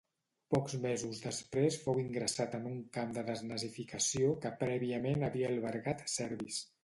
Pocs mesos després fou ingressat en un camp de desnazificació que prèviament havia albergat serbis.